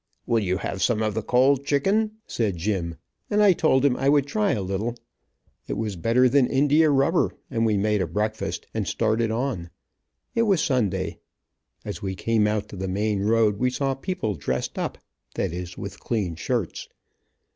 "Will you have some of the cold chicken," said Jim, and I told him I would try a little. It was better than India rubber, and we made a breakfast and started on. It was Sunday. As we came out to the main road, we saw people dressed up, that is, with clean shirts.